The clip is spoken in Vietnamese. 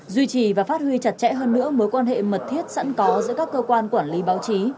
duy trì và phát huy chặt chẽ hơn nữa mối quan hệ mật thiết sẵn có giữa các cơ quan quản lý báo chí